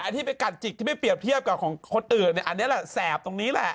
ที่ไปกัดจิกที่ไม่เปรียบเทียบกับของคนอื่นอันนี้แหละแสบตรงนี้แหละ